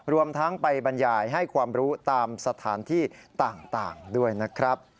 รวมทั้งไปบรรยายให้ความรู้ตามสถานที่ต่างด้วยนะครับ